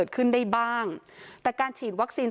ก็คือเป็นการสร้างภูมิต้านทานหมู่ทั่วโลกด้วยค่ะ